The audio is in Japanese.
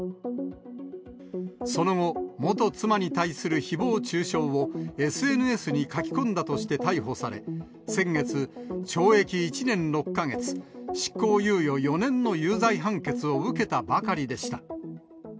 その後、元妻に対するひぼう中傷をＳＮＳに書き込んだとして逮捕され、先月、懲役１年６か月、執行猶予４年の有罪判決を受けたばかりでした。